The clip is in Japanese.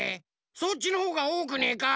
そっちのほうがおおくねえか？